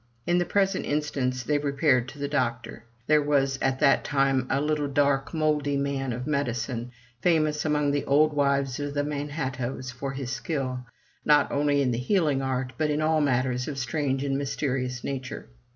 In the present instance they repaired to the doctor. There was at that time a little dark mouldy man of medicine, famous among the old wives of the Manhattoes for his skill, not only in the healing art, but in all matters of strange and mysterious nature.